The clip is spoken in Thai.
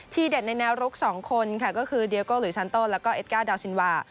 เด็ดในแนวรุก๒คนค่ะก็คือเดียโกหลุยชันโตแล้วก็เอ็กก้าดาวซินวา